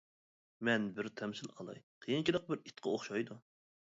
مەن بىر تەمسىل ئالاي، قىيىنچىلىق بىر ئىتقا ئوخشايدۇ.